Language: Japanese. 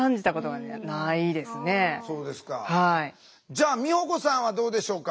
じゃあ美保子さんはどうでしょうか？